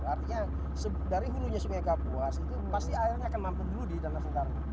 artinya dari hulunya sungai kapuas itu pasti airnya akan mampu dulu di danau sentarung